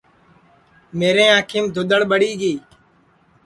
میرے انکھیم دھودؔڑ ٻڑی گی